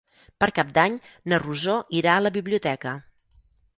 Per Cap d'Any na Rosó irà a la biblioteca.